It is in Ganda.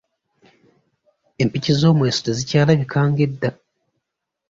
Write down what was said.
Empiki z’omweso tezikyalabika ng’edda.